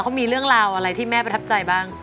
เขามีเรื่องราวอะไรที่แม่ประทับใจบ้าง